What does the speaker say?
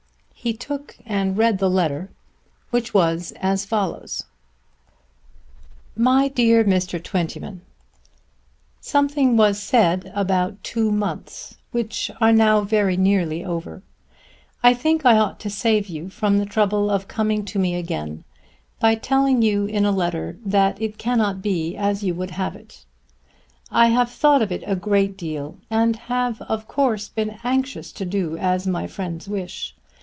He took and read the letter, which was as follows: MY DEAR MR. TWENTYMAN, Something was said about two months which are now very nearly over. I think I ought to save you from the trouble of coming to me again by telling you in a letter that it cannot be as you would have it. I have thought of it a great deal and have of course been anxious to do as my friends wish.